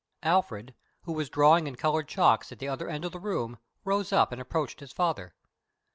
Alfred, who was drawing in colored chalks at the other end of the room, rose up and approached his father.